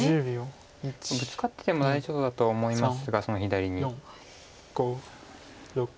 ブツカってても大丈夫だとは思いますがその左に。